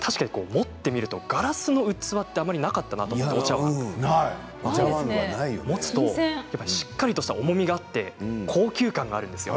持ってみるとガラスの器ってなかった、お茶わんって持つとしっかりとした重みがあって高級感があるんですよ。